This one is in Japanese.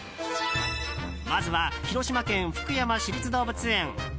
まずは広島県、福山市立動物園。